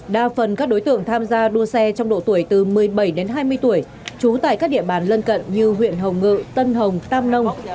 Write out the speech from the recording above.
đa phần các đối tượng tham gia đua xe trong độ tuổi từ một mươi bảy đến hai mươi tuổi trú tại các địa bàn lân cận như huyện hồng ngự tân hồng tam nông